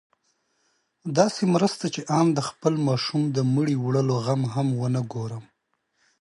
داسې مرسته چې آن د خپل ماشوم د مړي وړلو غم هم ونه ګورم.